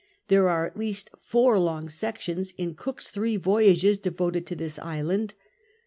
There are at least four long sections in Cook's three voyages de voted to this island.